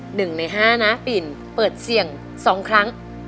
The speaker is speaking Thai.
หนึ่งในห้านะปิ่นเปิดเสี่ยงสองครั้ง